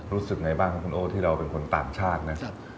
รู้สึกไงบ้างครับคุณโอที่เราเป็นคนต่างชาตินะ